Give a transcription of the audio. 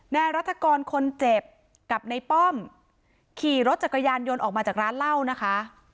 นายรัฐกรคนเจ็บกับในป้อมขี่รถจักรยานยนต์ออกมาจากร้านเหล้านะคะ